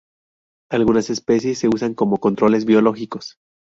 Algunas especies se usan como controles biológicos.